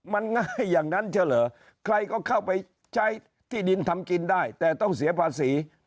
มันง่ายอย่างนั้นเฉลอใครก็เข้าไปใช้ที่ดินทำกินได้แต่ต้องเสียภาษี